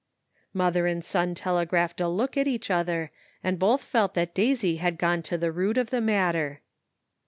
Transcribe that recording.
Mother and son telegraphed a look at each other, and both felt that Daisy had gone to the root of the matter.